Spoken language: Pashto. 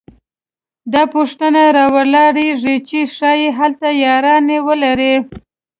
دا پوښتنه راولاړېږي چې ښايي هلته یارانې ولري